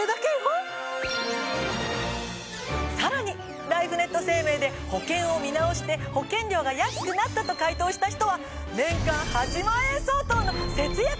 さらにライフネット生命で保険を見直して保険料が安くなったと回答した人は。